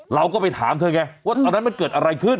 เราก็ไปถามเธอไงว่าตอนนั้นมันเกิดอะไรขึ้น